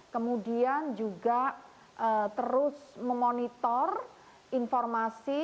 kemudian juga terus memonitor informasi